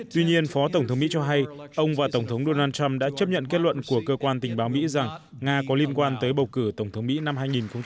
tuy nhiên phó tổng thống mỹ cho hay ông và tổng thống donald trump đã chấp nhận kết luận của cơ quan tình báo mỹ rằng nga có liên quan tới bầu cử tổng thống mỹ năm hai nghìn một mươi sáu